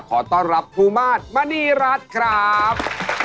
ขอต้อนรับครูมาตรมณีรัฐครับ